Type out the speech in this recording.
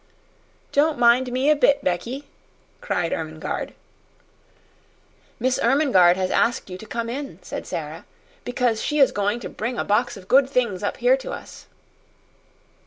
"Don't mind me a bit, Becky!" cried Ermengarde. "Miss Ermengarde has asked you to come in," said Sara, "because she is going to bring a box of good things up here to us."